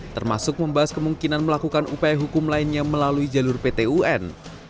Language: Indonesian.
termasuk membahas kemungkinan melakukan upaya hukum lainnya melalui jalur pt un